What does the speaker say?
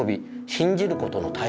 信じることの大切さ。